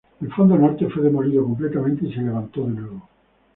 El Fondo Norte fue demolido completamente y se levantó de nuevo.